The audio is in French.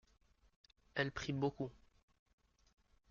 Elle prie beaucoup.